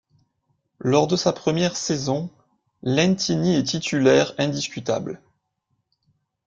Lors de sa première saison, Lentini est titulaire indiscutable.